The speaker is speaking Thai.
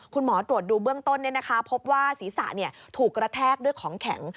คุณหมอตรวจดูเบื้องต้นพบว่าศีรษะถูกกระแทกด้วยของแข็ง